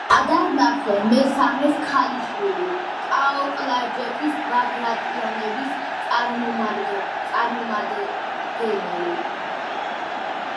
ადარნასე მესამეს ქალიშვილი, ტაო-კლარჯეთის ბაგრატიონების წარმომადგენელი.